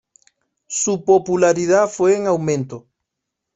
Su popularidad fue en aumento.